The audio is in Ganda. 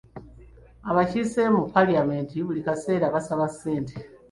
Abakiise mu paalamenti buli kaseera basaba ssente.